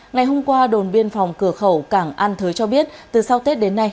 ngày hôm qua đồn biên phòng cửa khẩu cảng an thới cho biết từ sau tết đến nay